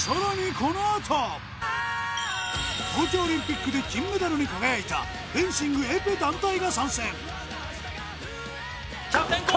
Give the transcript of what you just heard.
このあと東京オリンピックで金メダルに輝いたフェンシングエペ団体が参戦キャプテン５！